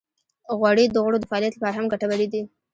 غوړې د غړو د فعالیت لپاره هم ګټورې دي.